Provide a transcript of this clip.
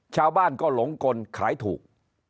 ชาวบ้านก็หลงกลขายถูก